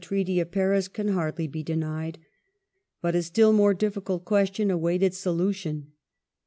^"* Treaty of Paris can hardly be denied. But a still more difficult tion question awaited solution.